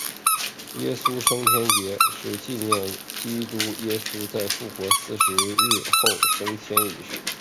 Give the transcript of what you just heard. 耶稣升天节是纪念基督耶稣在复活四十日后升天一事。